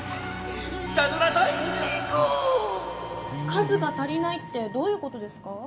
数が足りないってどういうことですか？